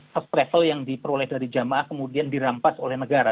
first travel yang diperoleh dari jamaah kemudian dirampas oleh negara